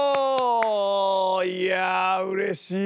いやあうれしい！